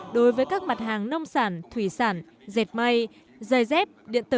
đối với các mặt hàng nông sản thủy sản dệt may dây dép điện tử